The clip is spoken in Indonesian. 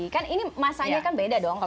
kan ini masanya kan beda dong